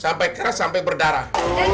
sampai keras sampai berdarah